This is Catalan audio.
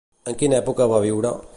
En quina època va viure?